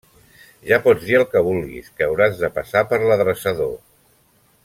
Ja pots dir el que vulguis, que hauràs de passar per l'adreçador.